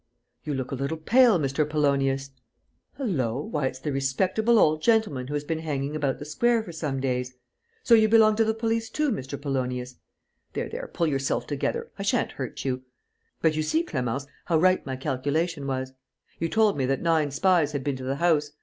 "You look a little pale, Mr. Polonius.... Hullo! Why, it's the respectable old gentleman who has been hanging about the square for some days! So you belong to the police too, Mr. Polonius? There, there, pull yourself together, I sha'n't hurt you!... But you see, Clémence, how right my calculation was. You told me that nine spies had been to the house.